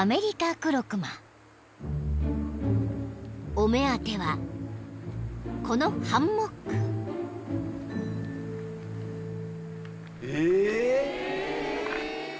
［お目当てはこのハンモック］えっ！？